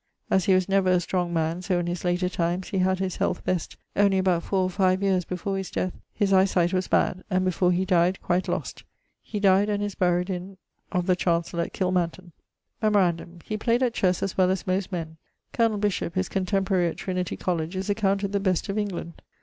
As he was never a strong man, so in his later times he had his health best, only about four or five yeares before his death his eie sight was bad, and before he dyed quite lost. He dyed ... and is buryed in ... of the chancell at Kilmanton. Memorandum: he played at chesse as well as most men. Col. Bishop, his contemporary at Trinity Coll., is accounted the best of England.